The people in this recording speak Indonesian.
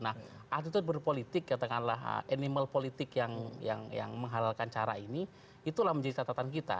nah altitude berpolitik katakanlah animal politik yang menghalalkan cara ini itulah menjadi catatan kita